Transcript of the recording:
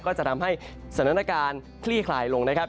ก็จะทำให้สถานการณ์คลี่คลายลงนะครับ